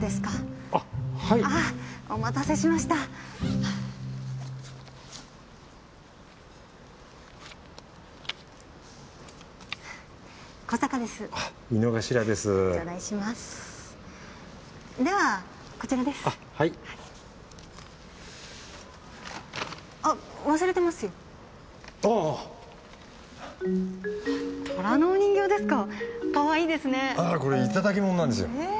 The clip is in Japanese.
かわいいですね。